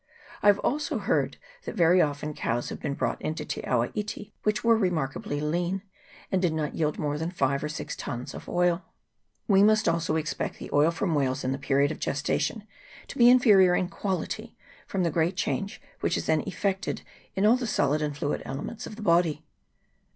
I have also heard that very often cows have been brought into Te awa iti which were remarkably lean, and did not yield more than five or six tuns of oil. We must also expect the oil from whales in the period of gestation to be inferior in quality, from the great change which then is effected in all the solid and fluid elements of the body.